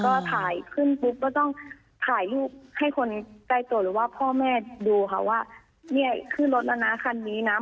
ก็ถ่ายขึ้นปุ๊บก็ต้องถ่ายรูปให้คนใกล้ตัวหรือว่าพ่อแม่ดูค่ะว่าเนี่ยขึ้นรถแล้วนะคันนี้นะ